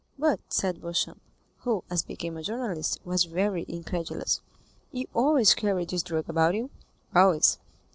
"But," said Beauchamp, who, as became a journalist, was very incredulous, "you always carry this drug about you?" "Always."